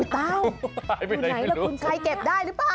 ใครเก็บได้หรือเปล่า